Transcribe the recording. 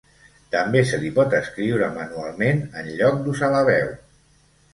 També se li pot escriure manualment en lloc d'usar la veu.